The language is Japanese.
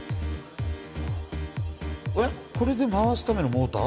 えっこれで回すためのモーター？